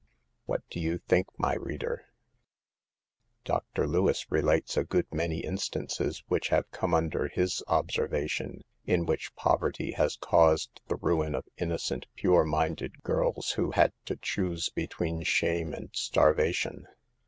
5 " What do you think, my reader ?" Dr. Lewis relates a good many instances which have come under his observation, in which poverty has caused the ruin of innocent, pure minded girls, who had to choose between shame and starvation.